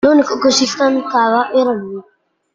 L'unico che si stancava era lui.